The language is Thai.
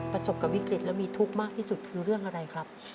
ประสบกับวิกฤตและมีทุกข์มากที่สุดคือเรื่องอะไรครับ